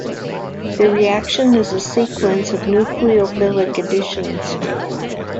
The reaction is a sequence of nucleophilic additions.